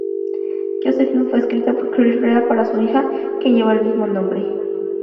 Josephine fue escrita por Chris Rea para su hija, quien lleva el mismo nombre.